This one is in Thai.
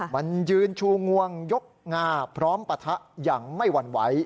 มันยืนชูงวงยกงาพร้อมปะทะอย่างไม่หวั่นไหว